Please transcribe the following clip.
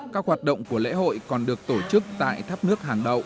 các hoạt động của lễ hội còn được tổ chức tại tháp nước hàn độ